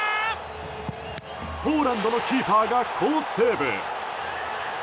ポーランドのキーパーが好セーブ。